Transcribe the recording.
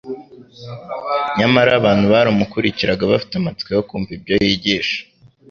Nyamara abantu bamukurikiraga bafite amatsiko yo kumva ibyo yigisha.